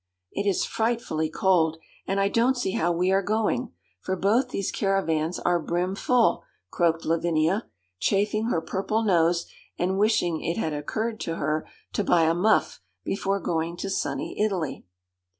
'It is frightfully cold; and I don't see how we are going, for both those caravans are brimful,' croaked Lavinia, chafing her purple nose, and wishing it had occurred to her to buy a muff before going to sunny Italy.